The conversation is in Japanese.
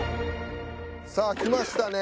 さあ来ましたね。